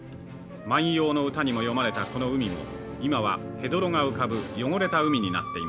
万葉の歌にも詠まれたこの海も今はヘドロが浮かぶ汚れた海になっています。